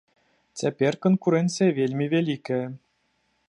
Цяпер канкурэнцыя вельмі вялікая.